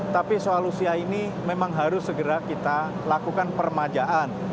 tapi soal usia ini memang harus segera kita lakukan permajaan